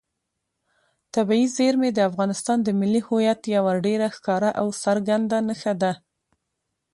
طبیعي زیرمې د افغانستان د ملي هویت یوه ډېره ښکاره او څرګنده نښه ده.